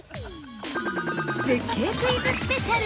◆絶景クイズスペシャル！